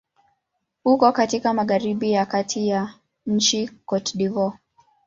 Uko katika magharibi ya kati ya nchi Cote d'Ivoire.